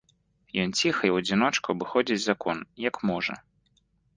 Ён ціха і ў адзіночку абыходзіць закон, як можа.